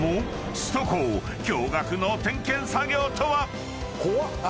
首都高驚愕の点検作業とは。